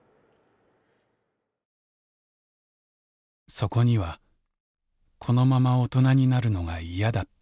そこには「このまま大人になるのがいやだった」。